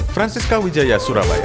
francisca wijaya surabaya